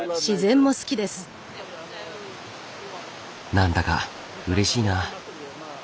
何だかうれしいな。